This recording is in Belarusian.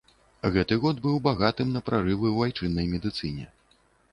Гэты год быў багатым на прарывы ў айчыннай медыцыне.